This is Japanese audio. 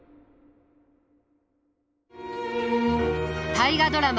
大河ドラマ